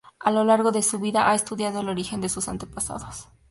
A lo largo de su vida ha estudiado el origen de sus antepasados.